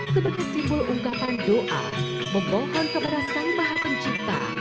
sebagai simbol ungkapan doa membawa keberasan bahan pencipta